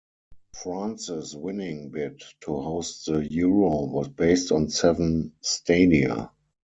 France's winning bid to host the Euro was based on seven stadia.